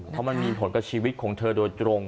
เพราะมันมีผลกับชีวิตของเธอโดยตรง